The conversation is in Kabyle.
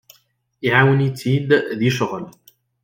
Iɛawen-itt-id deg ccɣel.